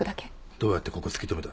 どうやってここ突き止めた？